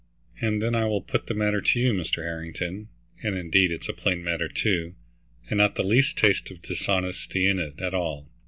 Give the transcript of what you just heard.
"And then I will put the matter to you, Mr. Harrington, and indeed it's a plain matter, too, and not the least taste of dishonesty in it, at all.